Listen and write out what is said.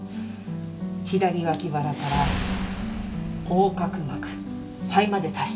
左脇腹から横隔膜肺まで達してる。